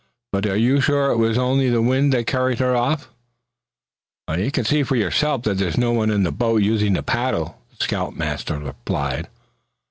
"But are you sure it was only the wind that carried her off?" "You can see for yourself that there's no one in the boat, using the paddle," the scout master replied.